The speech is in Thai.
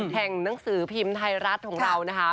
หนังสือพิมพ์ไทยรัฐของเรานะคะ